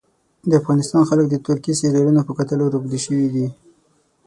د افغانستان خلک د ترکي سیریالونو په کتلو روږدي سوي دي